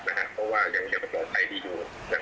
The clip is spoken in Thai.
เพราะยังจะเป็นปัญหาดีอยู่